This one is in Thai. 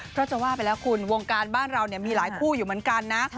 เพราะจะว่าไปแล้วคุณวงการบ้านเรามีหลายคู่อยู่เหมือนกันนะ